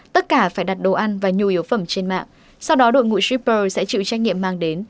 tất cả phải đặt đồ ăn và nhu yếu phẩm trên mạng sau đó đội ngũ shipper sẽ chịu trách nhiệm mang đến